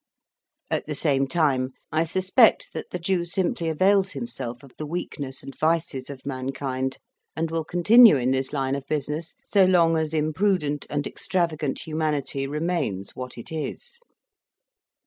At the same time, I suspect that the Jew simply avails himself of the weakness and vices of mankind, and will continue in this line of business so long as imprudent and extravagant humanity remains what it is.